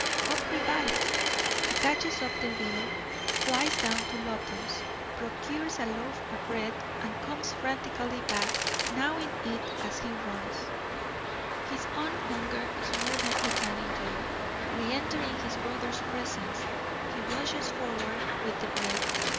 Hope revives; he catches up the bill, flies down to Loton's, procures a loaf of bread, and comes frantically back, gnawing it as he runs; for his own hunger is more than he can endure. Re entering his brother's presence, he rushes forward with the bread.